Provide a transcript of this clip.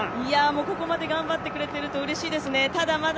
ここまで頑張ってくれているとうれしいですね。